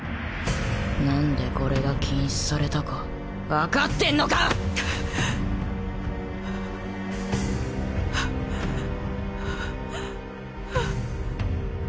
何でこれが禁止されたか分かってんのか⁉ハァハァハァ。